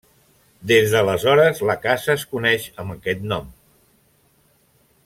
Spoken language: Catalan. Des d'aleshores, la casa es coneix amb aquest nom.